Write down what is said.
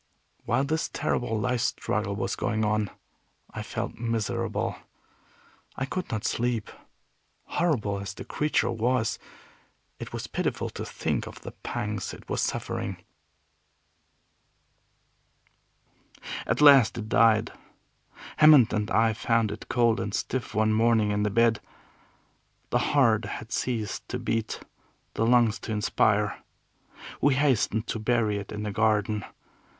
While this terrible life struggle was going on, I felt miserable. I could not sleep. Horrible as the creature was, it was pitiful to think of the pangs it was suffering. At last it died. Hammond and I found it cold and stiff one morning in the bed. The heart had ceased to beat, the lungs to inspire. We hastened to bury it in the garden.